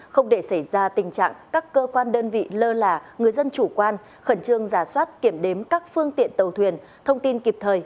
không để xảy ra tình trạng các cơ quan đơn vị lơ là người dân chủ quan khẩn trương giả soát kiểm đếm các phương tiện tàu thuyền thông tin kịp thời